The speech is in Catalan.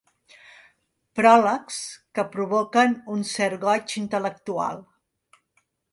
Pròlegs que provoquen un cert goig intel·lectual.